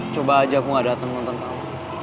coba aja aku gak dateng nonton kamu